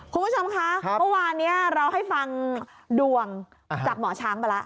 คุณผู้ชมคะเมื่อวานนี้เราให้ฟังดวงจากหมอช้างไปแล้ว